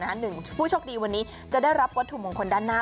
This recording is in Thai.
หนึ่งผู้โชคดีวันนี้จะได้รับวัตถุมงคลด้านหน้า